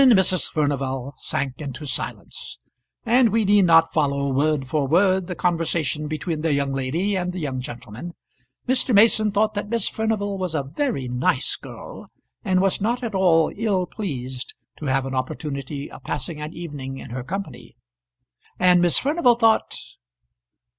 Then Mrs. Furnival sank into silence; and we need not follow, word for word, the conversation between the young lady and the young gentleman. Mr. Mason thought that Miss Furnival was a very nice girl, and was not at all ill pleased to have an opportunity of passing an evening in her company; and Miss Furnival thought